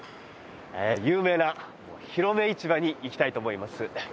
有名なひろめ市場にいきたいと思います。